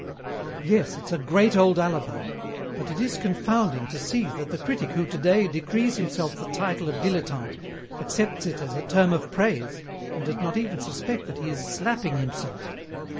"Yes, it's a great old alibi. But it is confounding to see that the critic who today decrees himself the title of dilettante accepts it as a term of praise and does not even suspect that he is slapping himself.